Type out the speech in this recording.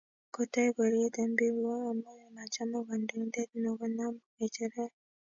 Ko tai boriet eng biik amu macham kandoindet no konam ngecheret